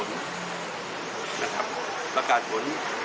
นะครับประกาศผล